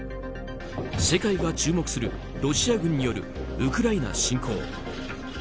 世界が注目するロシア軍によるウクライナ侵攻。